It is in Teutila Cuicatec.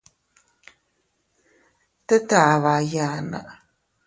Teet afba iyana.